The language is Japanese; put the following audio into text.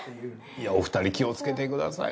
いやお二人気をつけてください